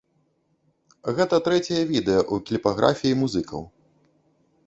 Гэта трэцяе відэа ў кліпаграфіі музыкаў.